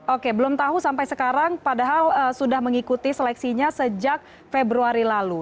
oke belum tahu sampai sekarang padahal sudah mengikuti seleksinya sejak februari lalu